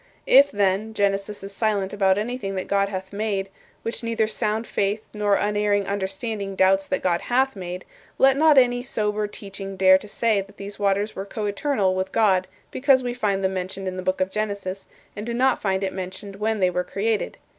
If, then, Genesis is silent about anything that God hath made, which neither sound faith nor unerring understanding doubts that God hath made, let not any sober teaching dare to say that these waters were coeternal with God because we find them mentioned in the book of Genesis and do not find it mentioned when they were created.